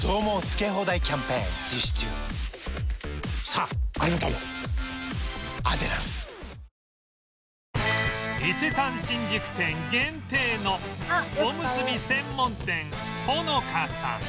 サントリー伊勢丹新宿店限定のおむすび専門店穂の香さん